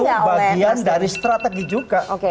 itu bagian dari strategi juga